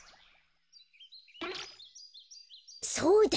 そうだ！